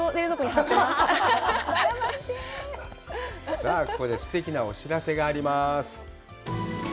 さあ、ここですてきなお知らせがあります。